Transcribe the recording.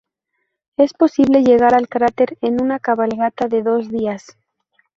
Es posible llegar al cráter en una cabalgata de dos días.